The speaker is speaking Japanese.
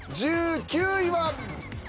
１９位は。